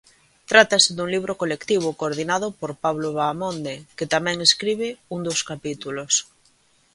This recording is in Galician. Trátase dun libro colectivo coordinado por Pablo Vaamonde, que tamén escribe un dos capítulos.